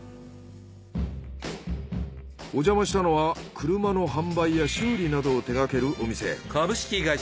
おじゃましたのは車の販売や修理などを手がけるお店。